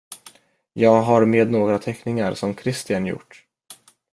Jag har med några teckningar som Kristian gjort.